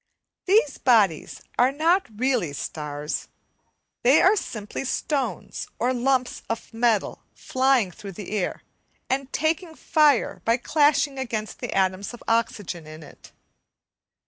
These bodies are not really stars; they are simply stones or lumps of metal flying through the air, and taking fire by clashing against the atoms of oxygen in it.